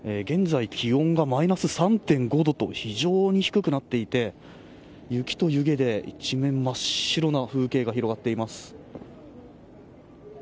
現在、気温がマイナス３．５度と非常に低くなっていて雪と湯気で一面真っ白な風景が広がっています。